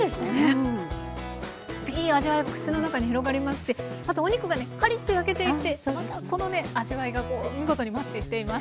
いい味わいが口の中に広がりますしあとお肉がねカリッと焼けていてまたこのね味わいが見事にマッチしています。